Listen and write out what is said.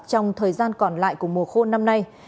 trong thời gian còn lại của mùa khô năm nay